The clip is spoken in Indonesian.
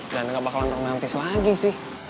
dan gak bakalan romantis lagi sih